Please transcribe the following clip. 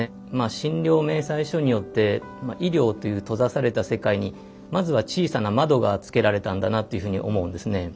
診療明細書によって「医療」という閉ざされた世界にまずは小さな窓がつけられたんだなというふうに思うんですね。